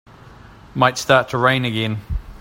Might start to rain again.